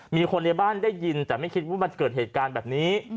มีคนในบ้านได้ยินแต่ไม่คิดว่ามันจะเกิดเหตุการณ์แบบนี้